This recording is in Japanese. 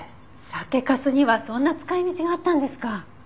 酒粕にはそんな使い道があったんですか。